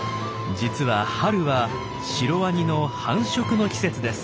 実は春はシロワニの繁殖の季節です。